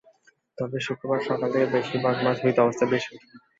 তবে শনিবার সকাল থেকে বেশির ভাগ মাছ মৃত অবস্থায় ভেসে ওঠে।